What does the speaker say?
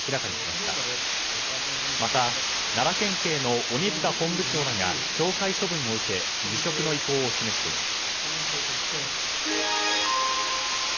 また、奈良県警の鬼塚本部長らが懲戒処分を受け辞職の意向を示しています。